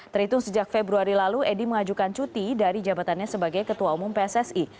terhitung sejak februari lalu edi mengajukan cuti dari jabatannya sebagai ketua umum pssi